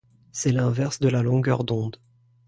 C'est l'inverse de la longueur d'onde.